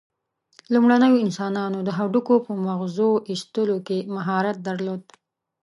لومړنیو انسانانو د هډوکو په مغزو ایستلو کې مهارت درلود.